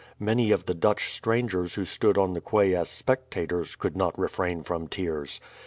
Many of the Dutch strangers who stood on the quay as spectators, could not refrain from tears.